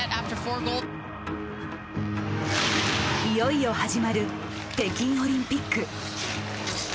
いよいよ始まる北京オリンピック。